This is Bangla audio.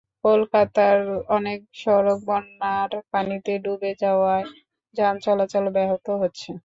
কলকাতার অনেক সড়ক বন্যার পানিতে ডুবে যাওয়ায় যান চলাচল ব্যাহত হচ্ছে।